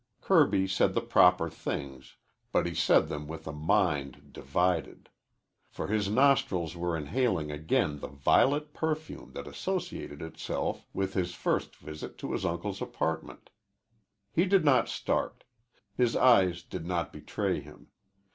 Kirby said the proper things, but he said them with a mind divided. For his nostrils were inhaling again the violet perfume that associated itself with his first visit to his uncle's apartment. He did not start. His eyes did not betray him.